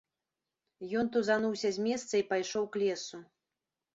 Ён тузануўся з месца і пайшоў к лесу.